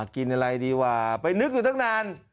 กินอะไรดีกว่าไปนึกอยู่ตั้งนาน